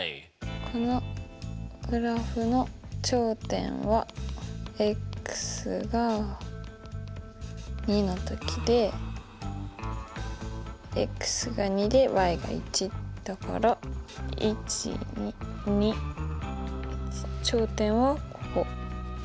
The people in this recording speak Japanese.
このグラフの頂点はが２のときでが２でが１だから１２２頂点はここ。